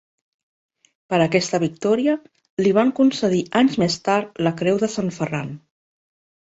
Per aquesta victòria li van concedir anys més tard la Creu de Sant Ferran.